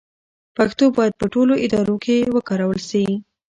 پښتو باید په ټولو ادارو کې وکارول شي.